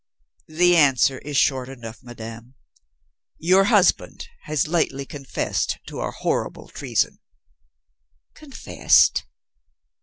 "The answer is short enough, madame. Your hus band has lately confessed to a horrible treason." "Confessed